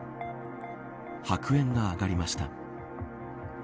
白煙が上がりました。